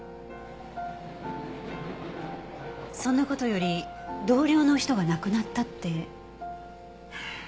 そんな事より同僚の人が亡くなったって。